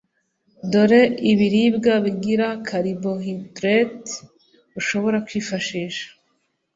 Dore ibiribwa bigira caribohidrate ushobora kwifashisha: